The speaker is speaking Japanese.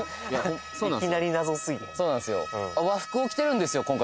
いやそうなんですよ